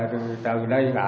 thì từ đây ra